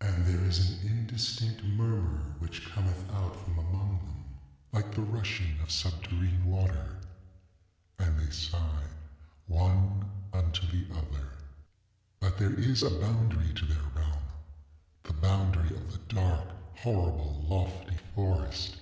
And there is an indistinct murmur which cometh out from among them like the rushing of subterrene water. And they sigh one unto the other. ŌĆ£But there is a boundary to their realmŌĆöthe boundary of the dark, horrible, lofty forest.